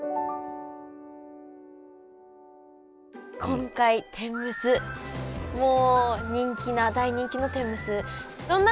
今回天むすもう人気な大人気の天むす。